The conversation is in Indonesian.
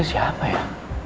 itu siapa ya